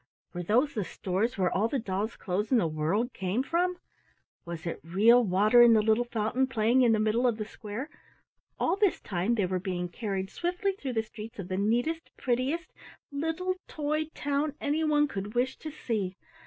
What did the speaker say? Were those the stores where all the dolls' clothes in the world came from? Was it real water in the little fountain playing in the middle of the square? All this time they were being carried swiftly through the streets of the neatest, prettiest, little, toy town any one could wish to see.